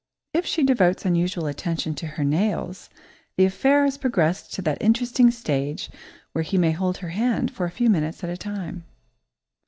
If she devotes unusual attention to her nails, the affair has progressed to that interesting stage where he may hold her hand for a few minutes at a time.